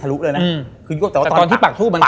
ทะลุเลยนะแต่ว่าตอนที่ปากทูปมันแข็ง